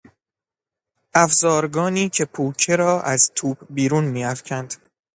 افزارگانی که پوکه را از توپ بیرون میافکند